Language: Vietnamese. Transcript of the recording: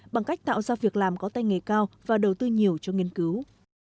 bằng cách tạo ra việc làm có tay nghề cao và đầu tư nhiều cho nghiên cứu